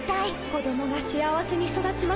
・子供が幸せに育ちますように。